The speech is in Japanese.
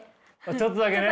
ちょっとだけね。